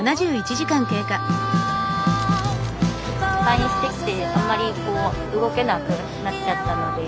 退院してきてあんまり動けなくなっちゃったので。